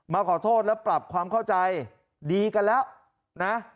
มาขอโทษแล้วปรับความเข้าใจดีกันแล้วนะ